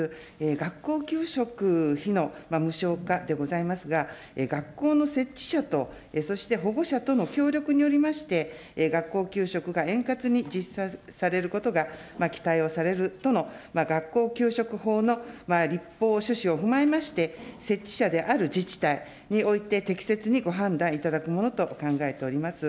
学校給食費の無償化でございますが、学校の設置者とそして保護者との協力によりまして、学校給食が円滑に実施されることが期待をされるとの、学校給食法の立法趣旨を踏まえまして、設置者である自治体において、適切にご判断いただくものと考えております。